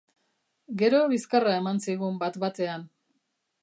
Gero bizkarra eman zigun bat-batean.